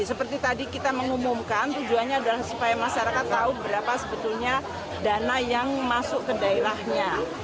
seperti tadi kita mengumumkan tujuannya adalah supaya masyarakat tahu berapa sebetulnya dana yang masuk ke daerahnya